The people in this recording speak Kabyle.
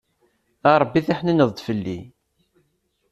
A Rebbi tiḥnineḍ-d fell-i.